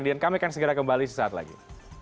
dan kami akan segera kembali sesaat lagi